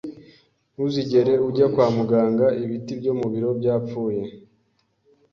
Ntuzigere ujya kwa muganga ibiti byo mu biro byapfuye.